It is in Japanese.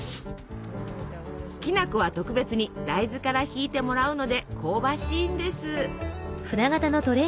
きな粉は特別に大豆からひいてもらうので香ばしいんです。